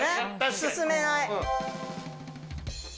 進めない。